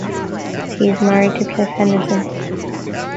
She is married to Cliff Henderson.